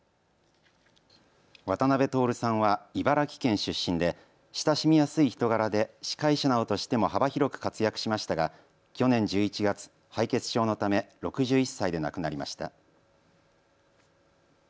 渡辺徹さんは茨城県出身で親しみやすい人柄で司会者などとしても幅広く活躍しましたが去年１１月、敗血症のため６１歳で亡くなりました。